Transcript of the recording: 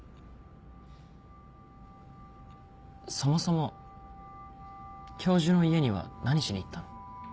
そもそも教授の家には何しに行ったの？